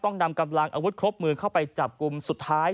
นำกำลังอาวุธครบมือเข้าไปจับกลุ่มสุดท้าย